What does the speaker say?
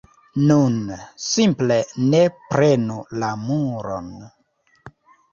Nun, simple ne prenu la muron